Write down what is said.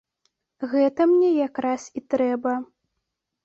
Гэта мне якраз і трэба.